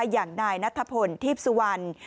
อย่างนายนัทพลทีพสุวรรณ